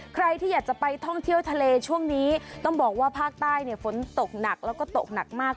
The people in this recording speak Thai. ใครที่อยากจะไปท่องเที่ยวทะเลช่วงนี้ต้องบอกว่าภาคใต้เนี่ยฝนตกหนักแล้วก็ตกหนักมาก